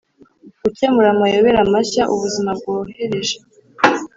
gukemura amayobera mashya ubuzima bwohereje.